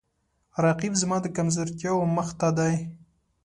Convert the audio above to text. رقیب زما د کمزورتیاو مخ ته دی